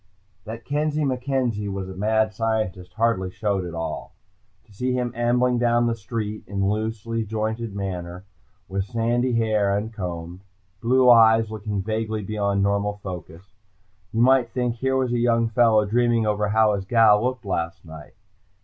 _That Kenzie MacKenzie was a mad scientist hardly showed at all. To see him ambling down the street in loose jointed manner, with sandy hair uncombed, blue eyes looking vaguely beyond normal focus, you might think here was a young fellow dreaming over how his gal looked last night.